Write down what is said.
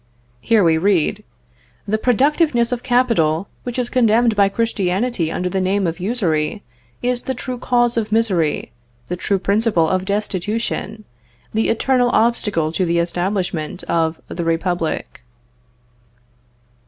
Here we read, "The productiveness of capital, which is condemned by Christianity under the name of usury, is the true cause of misery, the true principle of destitution, the eternal obstacle to the establishment of the Republic."